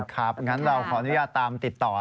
งั้นเราขออนุญาตตามติดต่อ